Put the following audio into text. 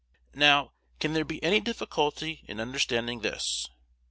Now, can there be any difficulty in understanding this?